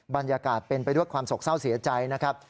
บรรยากาศเป็นไปด้วยความโศกเศร้าเสียใจนะครับ